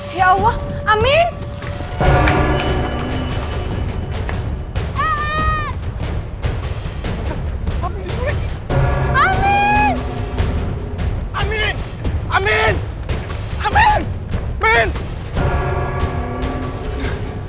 jangan lupa ambil air mudu